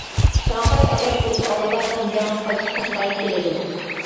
شاڭخەي ئازاد بولۇش ئالدىدا شىنجاڭغا قايتىپ قەشقەرگە كېلىدۇ.